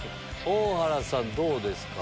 大原さんどうですか？